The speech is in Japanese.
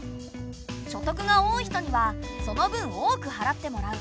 所得が多い人にはその分多く払ってもらう。